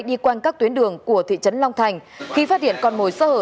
đi quanh các tuyến đường của thị trấn long thành khi phát hiện con mồi sơ hở